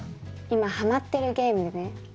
今ハマってるゲームでね